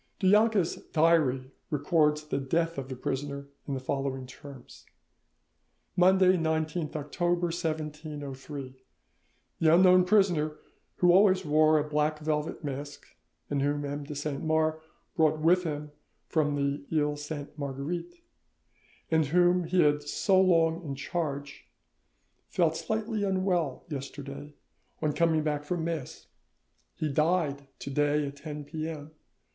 Du Jonca's diary records the death of the prisoner in the following terms:— "Monday, 19th November 1703. The unknown prisoner, who always wore a black velvet mask, and whom M. de Saint Mars brought with him from the Iles Sainte Marguerite, and whom he had so long in charge, felt slightly unwell yesterday on coming back from mass. He died to day at 10 p.m.